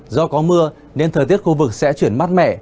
do có mưa nên thời tiết khu vực sẽ chuyển mát mẻ